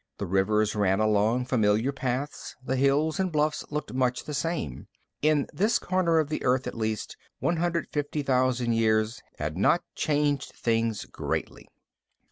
The rivers ran along familiar paths, the hills and bluffs looked much the same. In this corner of the Earth, at least, 150,000 years had not changed things greatly.